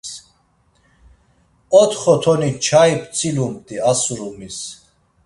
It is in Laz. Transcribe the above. Otxo toni nçai p̌tzilumt̆i a surumis.